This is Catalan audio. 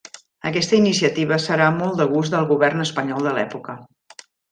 Aquesta iniciativa serà molt del gust del govern espanyol de l'època.